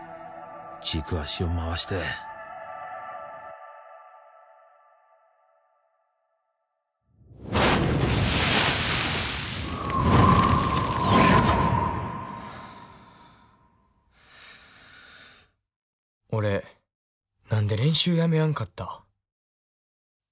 軸足を回して俺何で練習やめやんかった？